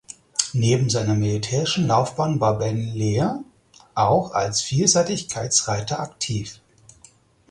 Neben seiner militärischen Laufbahn war Ben Lear auch als Vielseitigkeitsreiter aktiv.